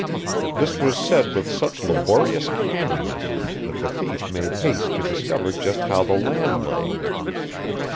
This was said with such laborious canniness that the thief made haste to discover just how the land lay.